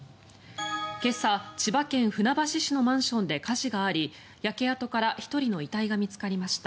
今朝、千葉県船橋市のマンションで火事があり焼け跡から１人の遺体が見つかりました。